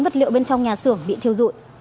vật liệu bên trong nhà xưởng bị thiêu rụi